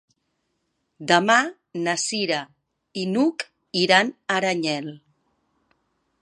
Demà na Cira i n'Hug iran a Aranyel.